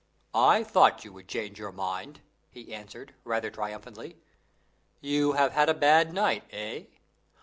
"I thought you would change your mind," he answered, rather triumphantly. "You have had a bad night, eh?